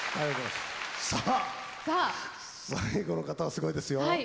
さあ最後の方はすごいですよ。